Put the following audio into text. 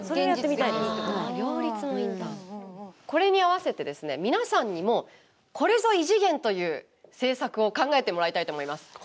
これに合わせて、皆さんにもこれぞ異次元！という政策を考えてもらいたいと思います。